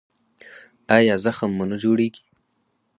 ایا زخم مو نه جوړیږي؟